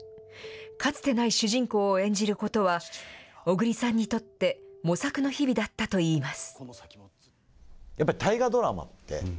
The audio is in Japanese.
かつてない主人公を演じることは、小栗さんにとって、模索の日々だったといいます。